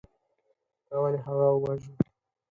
تا ولې هغه وواژه.